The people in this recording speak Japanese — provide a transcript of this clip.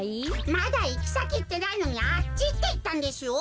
まだいきさきいってないのに「あっち」っていったんですよ。